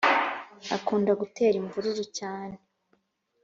akunda gutera imvururu cyane